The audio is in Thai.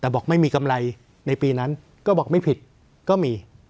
แต่บอกไม่มีกำไรในปีนั้นก็บอกไม่ผิดก็มี